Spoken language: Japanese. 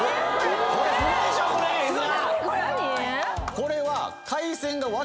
これは。